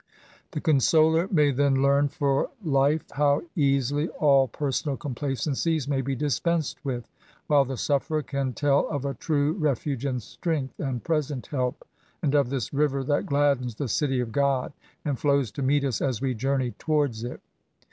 The consoler may then learn for life how easily all personal complacencies may be dispensed with> while the sufferer can tell of a true ^^ refuge and strength/' and ^' present help/' and of this ^^ river that gladdens the city of God, and flows to meet us aa we journey towards it.